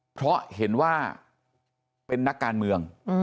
เพราะเห็นว่าเป็นนักการเมือง